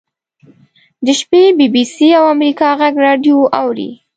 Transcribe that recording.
د شپې بي بي سي او امریکا غږ راډیو اوري.